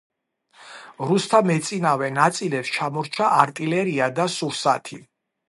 რუსთა მეწინავე ნაწილებს ჩამორჩა არტილერია და სურსათი.